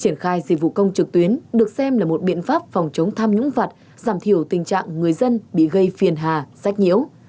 triển khai dịch vụ công trực tuyến được xem là một biện pháp phòng chống tham nhũng vặt giảm thiểu tình trạng người dân bị gây phiền hà sách nhiễu